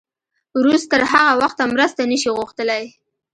روس تر هغه وخته مرسته نه شي غوښتلی.